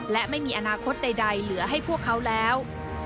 และไม่มีอนาคตใดเหลือให้พวกเขาแล้ว